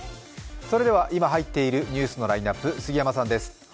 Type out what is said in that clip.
それでは今入っているニュースのラインナップ杉山さんです。